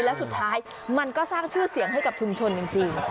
แล้วสุดท้ายมันก็สร้างชื่อเสียงให้กับชุมชนจริง